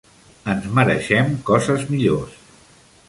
Ens mereixem coses millors.